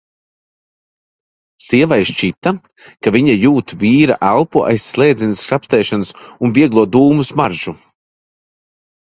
Sievai šķita, ka viņa jūt vīra elpu aiz slēdzenes skrapstēšanas un vieglo dūmu smaržu.